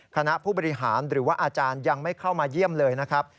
คณะผู้บริหารหรือว่าอาจารย์ยังไม่เข้ามาเยี่ยมเลยนะครับ